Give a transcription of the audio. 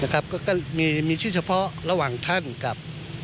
ก็มีชื่อเฉพาะระหว่างท่านกับ